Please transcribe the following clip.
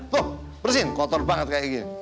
tuh bersin kotor banget kayak gini